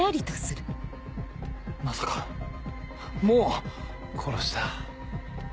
まさかもう⁉殺した。